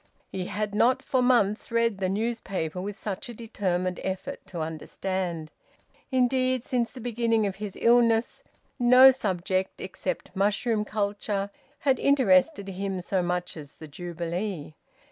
He had not for months read the newspaper with such a determined effort to understand; indeed, since the beginning of his illness, no subject, except mushroom culture, had interested him so much as the Jubilee.